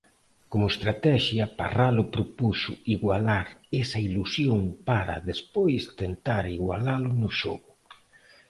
Como estratexia, Parralo propuxo igualar esa ilusión para, despois, tentar igualalo no xogo.